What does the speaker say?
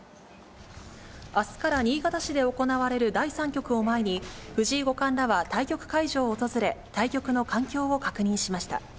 あすから新潟市で行われる第３局を前に、藤井五冠らは対局会場を訪れ、対局の環境を確認しました。